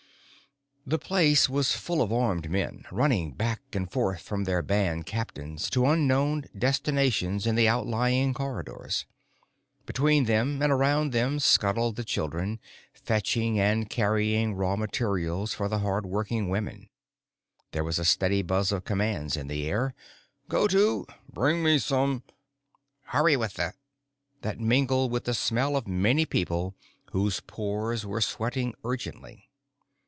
The place was full of armed men, running back and forth from their band captains to unknown destinations in the outlying corridors. Between them and around them scuttled the children, fetching and carrying raw materials for the hard working women. There was a steady buzz of commands in the air ... "Go to " "Bring some more " "Hurry with the "... that mingled with the smell of many people whose pores were sweating urgency.